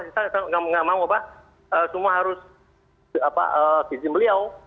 tidak mau apa apa semua harus di sini beliau